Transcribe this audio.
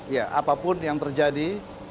ya apapun yang terjadi